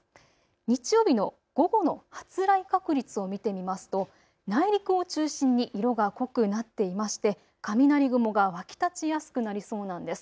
日曜日の午後の発雷確率を見てみますと内陸を中心に色が濃くなっていまして、雷雲が湧き立ちやすくなりそうなんです。